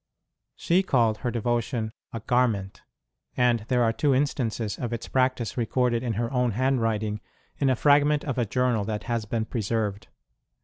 She called her devotion a gar ment, and there are two instances of its practice recorded in her own handwriting in a fragment of a journal that has been preserved.